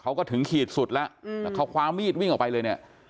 เขาก็ถึงขีดสุดแล้วแต่เขาคว้างมีดวิ่งออกไปเลย